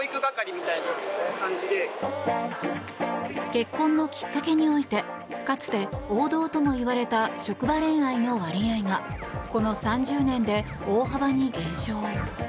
結婚のきっかけにおいてかつて王道ともいわれた職場恋愛の割合がこの３０年で大幅に減少。